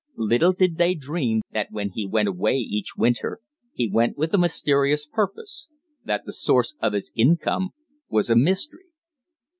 Little did they dream that when he went away each winter he went with a mysterious purpose that the source of his income was a mystery.